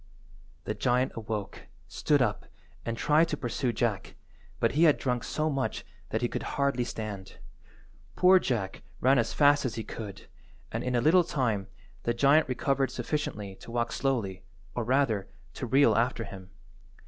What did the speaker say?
The giant awoke, stood up, and tried to pursue Jack, but he had drunk so much that he could hardly stand. Poor Jack ran as fast as he could, and, in a little time, the giant recovered sufficiently to walk slowly, or rather, to reel after him.